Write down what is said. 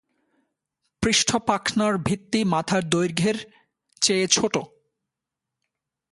পৃষ্ঠপাখনার ভিত্তি মাথার দৈর্ঘ্যের চেয়ে ছোট।